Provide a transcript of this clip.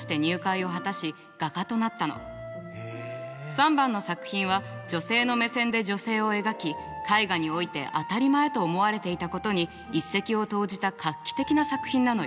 ３番の作品は女性の目線で女性を描き絵画において当たり前と思われていたことに一石を投じた画期的な作品なのよ。